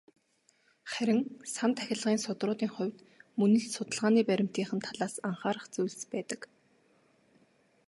Харин "сан тахилгын судруудын" хувьд мөн л судалгааны баримтынх нь талаас анхаарах зүйлс байдаг.